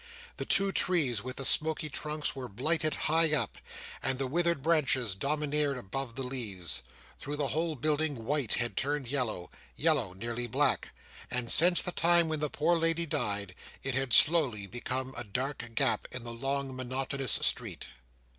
The two trees with the smoky trunks were blighted high up, and the withered branches domineered above the leaves, Through the whole building white had turned yellow, yellow nearly black; and since the time when the poor lady died, it had slowly become a dark gap in the long monotonous street.